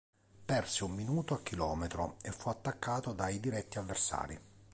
Perse un minuto a chilometro e fu attaccato dai diretti avversari.